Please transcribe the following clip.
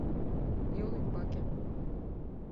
Йол ӱмбаке